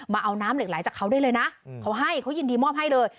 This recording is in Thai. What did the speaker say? เอาน้ำเหล็กไหลจากเขาได้เลยนะเขาให้เขายินดีมอบให้เลย